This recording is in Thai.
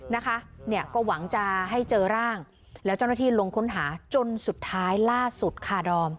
นะคะเนี่ยก็หวังจะให้เจอร่างแล้วเจ้าหน้าที่ลงค้นหาจนสุดท้ายล่าสุดค่ะดอม